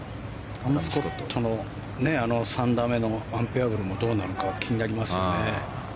アダム・スコットの３打目のアンプレヤブルもどうなるかは気になりますよね。